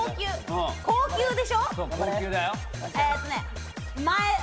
高級でしょ？